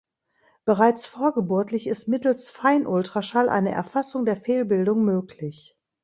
Bereits vorgeburtlich ist mittels Feinultraschall eine Erfassung der Fehlbildung möglich.